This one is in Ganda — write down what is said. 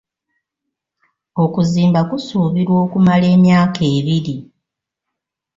Okuzimba kusuubirwa okumala myaka ebiri.